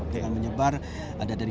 dengan menyebar ada dari